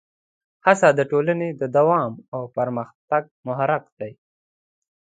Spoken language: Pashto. هڅه د ټولنې د دوام او پرمختګ محرک ده.